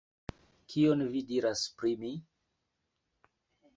Kion vi diras pri mi?